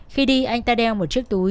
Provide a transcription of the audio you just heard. khi đi anh ta đeo một chiếc túi